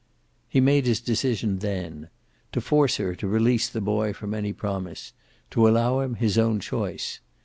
He made his decision then; to force her to release the boy from any promise; to allow him his own choice.